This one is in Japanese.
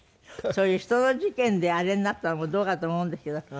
そういう人の事件であれになったのもどうかと思うんですけど。